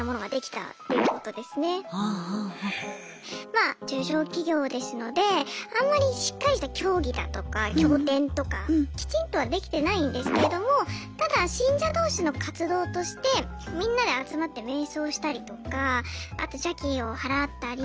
まあ中小企業ですのであんまりしっかりした教義だとか教典とかきちんとはできてないんですけれどもただ信者同士の活動としてみんなで集まって瞑想したりとかあと邪気をはらったり。